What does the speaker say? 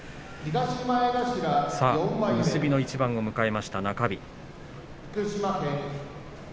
結びの一番を迎えました中日。